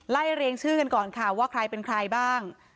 เรียงชื่อกันก่อนค่ะว่าใครเป็นใครบ้าง